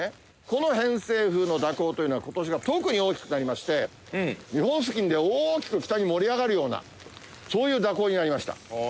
この偏西風の蛇行というのが今年は特に大きくなりまして日本付近で大きく北に盛り上がるようなそういう蛇行になりました。